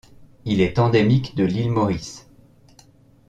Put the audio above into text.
Il est endémique de l'Île Maurice.